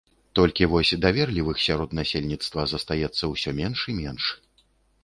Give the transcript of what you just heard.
Толькі вось даверлівых сярод насельніцтва застаецца ўсё менш і менш.